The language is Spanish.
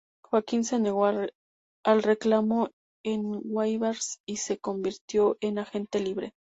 Joaquín se negó al reclamo en waivers y se convirtió en agente libre.